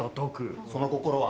その心は？